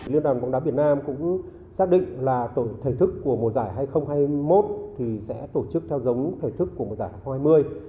liên đoàn bóng đá việt nam cũng xác định là thời thức của mùa giải hai nghìn hai mươi một sẽ tổ chức theo giống thời thức của mùa giải hai nghìn hai mươi